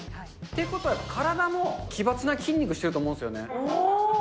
ということは、体も奇抜な筋肉してると思うんですよね。